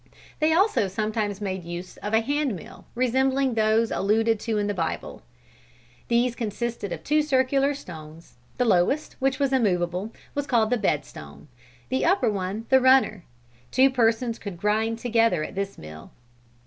They also sometimes made use of a handmill, resembling those alluded to in the Bible. These consisted of two circular stones; the lowest, which was immovable, was called the bed stone, the upper one, the runner. Two persons could grind together at this mill.